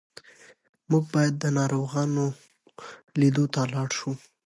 موږ باید د ناروغانو لیدو ته لاړ شو.